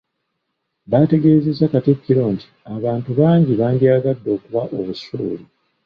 Baategeezezza Katikkiro nti abantu bangi bandyagadde okuwa obusuulu.